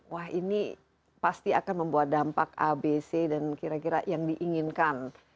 wah ini pasti akan membawa dampak abc dan kira kira yang diinginkan